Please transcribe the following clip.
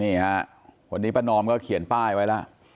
นี่ฮะวันนี้ป้านอมก็เขียนป้ายไว้แล้ว